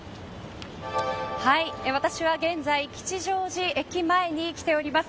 私は現在吉祥寺駅前に来ております。